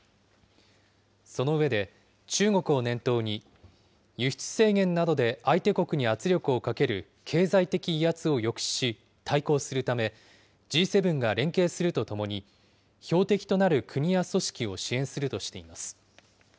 その上で、中国を念頭に、輸出制限などで相手国に圧力をかける経済的威圧を抑止し対抗するため、Ｇ７が連携するとともに、標的となる国や組織を支援するとしています。